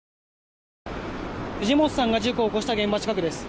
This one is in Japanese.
藤本さんが事故を起こした現場近くです。